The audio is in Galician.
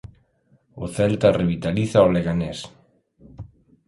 O Celta revitaliza o Leganés.